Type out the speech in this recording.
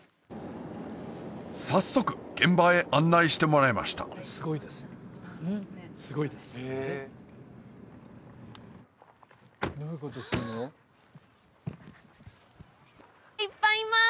早速現場へ案内してもらいましたはあいっぱいいます！